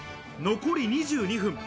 残り２２分。